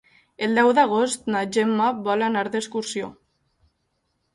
El deu d'agost na Gemma vol anar d'excursió.